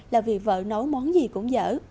là vì vợ nấu món gì cũng dở